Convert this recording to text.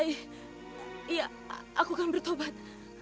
iya aku akan bertobat